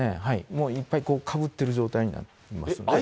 もういっぱいかぶってる状態になってます。え？